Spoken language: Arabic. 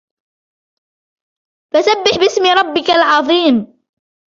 فسبح باسم ربك العظيم